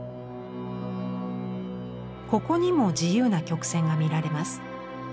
ここにも自由な曲線が見られます。